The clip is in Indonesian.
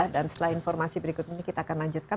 dan setelah informasi berikut ini kita akan lanjutkan